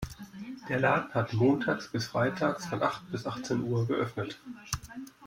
Der Laden hat montags bis freitags von acht bis achtzehn Uhr geöffnet.